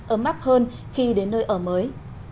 ấm mắp hơn khi đến nơi ở mới